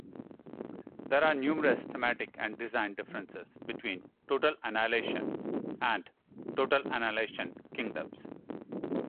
There are numerous thematic and design differences between "Total Annihilation" and "Total Annihilation: Kingdoms".